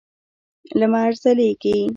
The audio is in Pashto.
لمر ځلېږي.